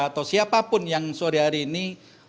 atau siapapun yang sore hari ini